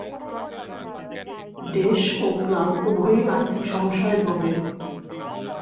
দেশ এবং ক্লাব উভয়ই আর্থিক সমস্যায় ভুগে।